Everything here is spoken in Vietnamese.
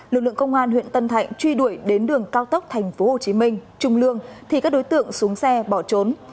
lực lượng công an huyện tân thạnh truy đuổi đến đường cao tốc tp hcm trung lương thì các đối tượng xuống xe bỏ trốn